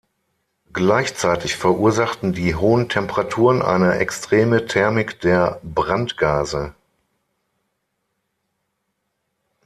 Gleichzeitig verursachten die hohen Temperaturen eine extreme Thermik der Brandgase.